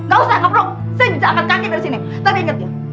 gak usah ngeprog